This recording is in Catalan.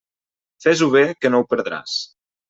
Fes-ho bé, que no ho perdràs.